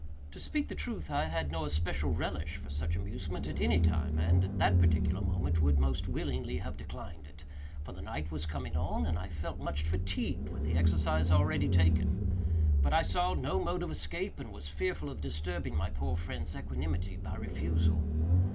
To speak the truth, I had no especial relish for such amusement at any time, and, at that particular moment, would most willingly have declined it; for the night was coming on, and I felt much fatigued with the exercise already taken; but I saw no mode of escape, and was fearful of disturbing my poor friend's equanimity by a refusal.